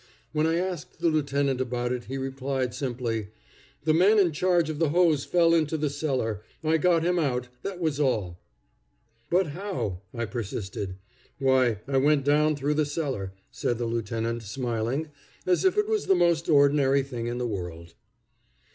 When I asked the lieutenant about it, he replied simply: "The man in charge of the hose fell into the cellar. I got him out; that was all." "But how?" I persisted. "Why, I went down through the cellar," said the lieutenant, smiling, as if it was the most ordinary thing in the world.